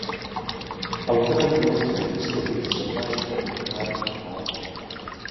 Autorem honosné výzdoby je sochař Otokar Walter.